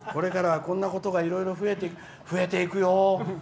これからはこんなことがいろいろ増えていくよ！